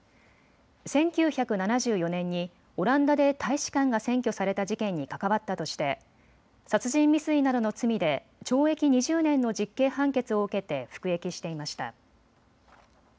１９７４年にオランダで大使館が占拠された事件に関わったとして殺人未遂などの罪で懲役２０年の実刑判決を受けて服役していました。